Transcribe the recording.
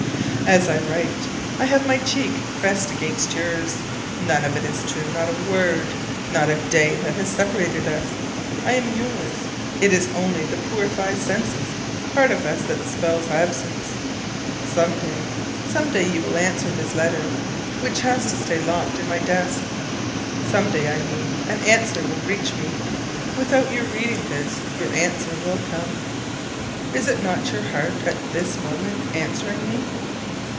As I write I have my cheek pressed against yours. None of it is true: not a word, not a day that has separated us! I am yours: it is only the poor five senses part of us that spells absence. Some day, some day you will answer this letter which has to stay locked in my desk. Some day, I mean, an answer will reach me: without your reading this, your answer will come. Is not your heart at this moment answering me?